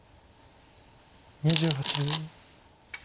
２８秒。